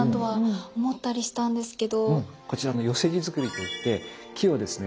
こちら寄木造といって木をですね